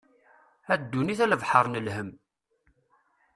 A ddunit a lebḥer n lhem.